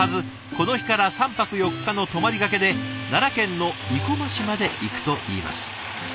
この日から３泊４日の泊まりがけで奈良県の生駒市まで行くといいます。